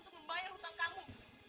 untuk membayar hutang kamu